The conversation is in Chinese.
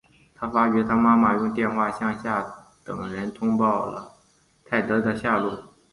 他发觉他妈妈用电话向下等人通报了泰德的下落。